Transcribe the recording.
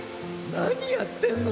なにやってんの？